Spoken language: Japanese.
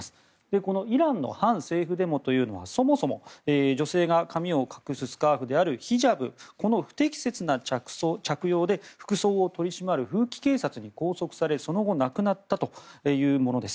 このイランの反政府デモというのはそもそも女性が髪を隠すスカーフであるヒジャブこの不適切な着用で服装を取り締まる風紀警察に拘束されその後、亡くなったというものです。